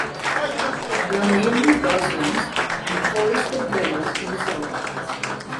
There are mainly grasslands and forested valleys in the south.